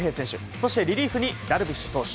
そして、リリーフにダルビッシュ投手。